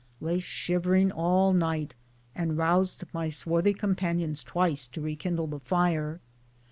Lay shivering all night and roused my swarthy com panions twice to rekindle the fire.